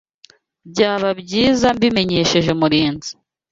Byaba byiza mbimenyesheje Murinzi.